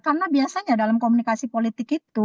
karena biasanya dalam komunikasi politik